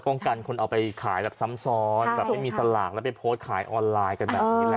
ต้องการขายแบบซ้ำซ้อมไม่มีสลากแล้วไปโพสต์ขายออนไลน์